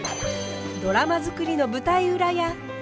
ドラマづくりの舞台裏や。